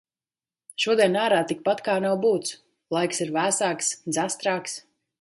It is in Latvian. Šodien ārā tikpat kā nav būts. Laiks ir vēsāks, dzestrāks.